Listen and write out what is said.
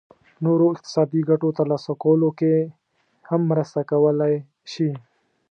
نورو اقتصادي ګټو ترلاسه کولو کې هم مرسته کولای شي.